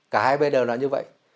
cả hai bên đều là như vậy